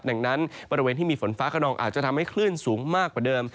ดังนั้นบริเวณที่มีฝนฟ้าขนองอาจจะทำให้คลื่นสูงมากกว่าเดิม